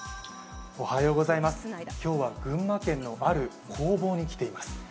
今日は群馬県のある工房に来ています。